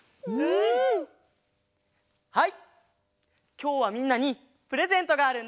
きょうはみんなにプレゼントがあるんだ！